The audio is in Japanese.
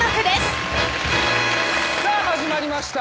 さあ始まりました。